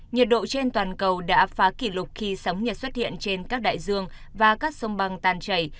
nhiệt độ trên toàn cầu đã phá kỷ lục khi sóng nhiệt xuất hiện trên các đại dương và các sông băng tan chảy